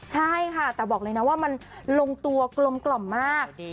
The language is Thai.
ใช่ค่ะบอกเลยว่ามันลงตัวกลมมาก